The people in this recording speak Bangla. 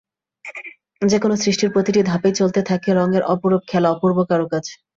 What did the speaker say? যেকোনো সৃষ্টির প্রতিটি ধাপেই চলতে থাকে রঙের অপরূপ খেলা, অপূর্ব কারুকাজ।